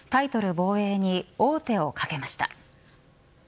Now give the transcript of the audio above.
防衛に大手をかけました。